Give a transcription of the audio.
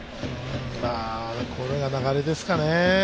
これが流れですからね。